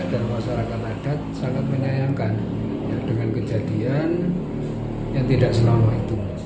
dan masyarakat adat sangat menyayangkan dengan kejadian yang tidak selama itu